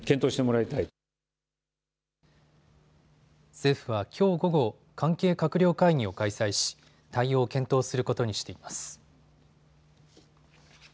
政府はきょう午後、関係閣僚会議を開催し対応を検討することにしています。